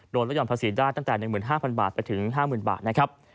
ลดห่อนภาษีได้ตั้งแต่๑๕๐๐บาทไปถึง๕๐๐บาทนะครับ